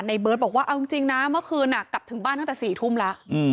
เบิร์ตบอกว่าเอาจริงนะเมื่อคืนกลับถึงบ้านตั้งแต่๔ทุ่มแล้ว